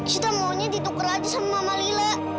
sita maunya ditukar aja sama mama lila